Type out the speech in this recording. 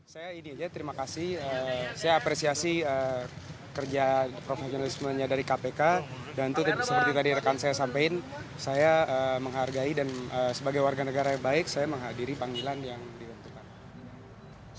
saya ini aja terima kasih saya apresiasi kerja profesionalismenya dari kpk dan itu seperti tadi rekan saya sampaikan saya menghargai dan sebagai warga negara yang baik saya menghadiri panggilan yang ditentukan